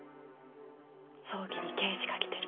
「葬儀に刑事が来てる」